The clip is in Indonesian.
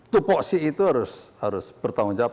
tupoksi itu harus bertanggung jawab